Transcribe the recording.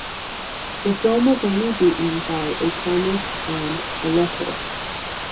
The film was only beaten by "A Promise" and "The Letter".